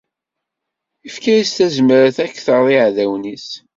Ifka-as tazmert akter n yiεdawen-is.